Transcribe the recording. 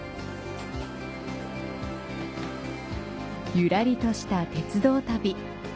ゆらりとした鉄道旅。